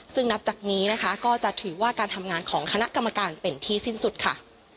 ซึ่งนับจากนี้นะคะก็จะถือว่าการทำงานของคณะกรรมการเป็นที่สิ้นสุดค่ะ